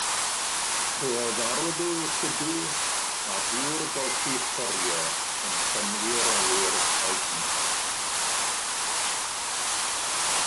Roedd arogl lludw a dŵr golchi lloriau yn llenwi'r awyr o'u cwmpas.